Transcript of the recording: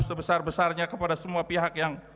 sebesar besarnya kepada semua pihak yang